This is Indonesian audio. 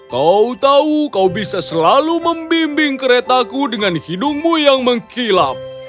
kau tahu kau bisa selalu membimbing keretaku dengan hidungmu yang mengkilap